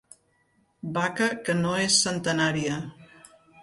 Vaca que no és centenària.